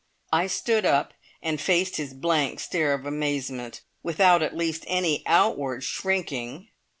I stood up and faced his blank stare of amazement, without at least any outward shrinking.